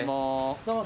どうも。